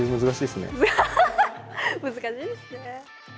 難しいですね。